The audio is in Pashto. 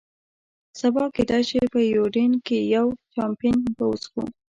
سبا کېدای شي په یوډین کې یو، چامپېن به وڅښو.